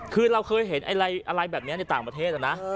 คือเราเคยเห็นอะไรแบบนี้ในต่างประเทศนะ